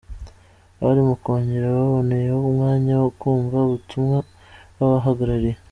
Abari muri Kongere baboneyeho umwanya wo kumva ubutumwa bw’abahagarariye